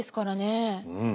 うん。